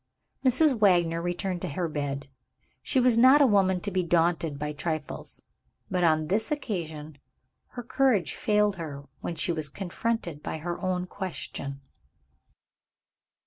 Mrs. Wagner returned to her bed. She was not a woman to be daunted by trifles but on this occasion her courage failed her when she was confronted by her own question.